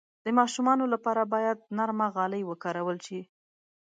د ماشومانو لپاره باید نرم غالۍ وکارول شي.